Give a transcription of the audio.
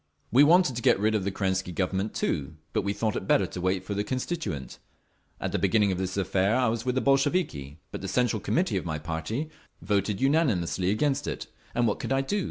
"We wanted to get rid of the Kerensky Government too, but we thought it better to wait for the Constituent…. At the beginning of this affair I was with the Bolsheviki, but the Central Committee of my party voted unanimously against it—and what could I do?